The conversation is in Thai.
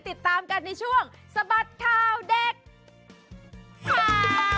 ติดตามกันในช่วงสะบัดข่าวเด็กข่าว